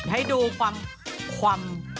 ให้ดูความความ